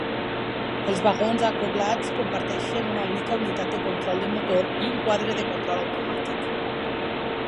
Els vagons acoblats comparteixen una única unitat de control de motor i un quadre de control automàtic.